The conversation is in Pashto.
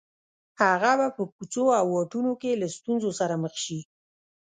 هغه به په کوڅو او واټونو کې له ستونزو سره مخ شي